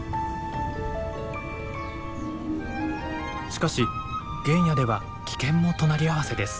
しかし原野では危険も隣り合わせです。